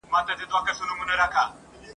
دومره مخته باید ولاړ سې چي نن لیري درښکاریږي !.